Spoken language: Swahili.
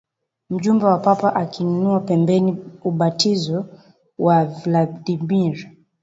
mjumbe wa Papa akinuna pembeni Ubatizo wa Vladimir